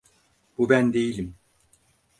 Bu ben değilim!